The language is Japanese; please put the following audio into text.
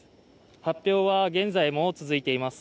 発表は現在も続いています。